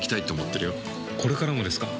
これからもですか？